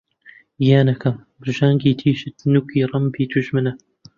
گیانەکەم! برژانگی تیژت نووکە ڕمبی دوژمنە